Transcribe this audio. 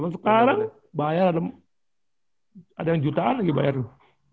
cuma sekarang bayar ada yang jutaan lagi bayar dulu